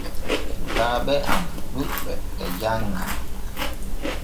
Sukkaaɓe am ɗuɓɓe e janŋa.